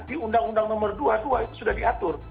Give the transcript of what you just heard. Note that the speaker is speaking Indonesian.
di undang undang nomor dua itu sudah diatur